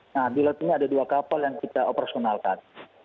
nah di laut ini ada dua kapal yang kita operasionalkan